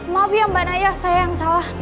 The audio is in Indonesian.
maaf ya mbak naya saya yang salah